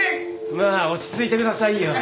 まあ落ち着いてくださいよ。